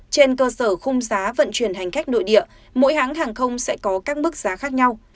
trên cơ sở khung giá vận chuyển hành khách nội địa mỗi hãng hàng không sẽ có các mức giá khác nhau